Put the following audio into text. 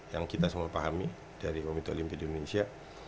yang kita semua pahami dari komito olimpia di indonesia